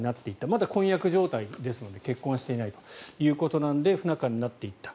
まだ婚約状態ですので、結婚はしていないということなので不仲になっていった。